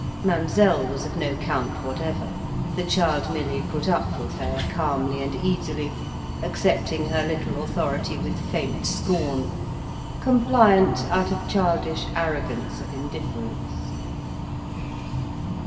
Mademoiselle was of no count whatever, the child merely put up with her, calmly and easily, accepting her little authority with faint scorn, compliant out of childish arrogance of indifference.